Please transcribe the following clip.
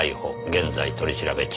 現在取り調べ中」